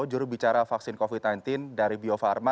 jurubicara vaksin covid sembilan belas dari bio farma